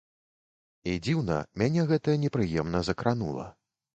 І дзіўна, мяне гэта непрыемна закранула.